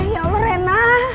ya allah rena